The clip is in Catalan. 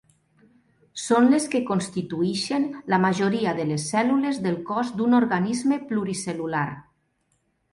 Són les que constitueixen la majoria de les cèl·lules del cos d'un organisme pluricel·lular.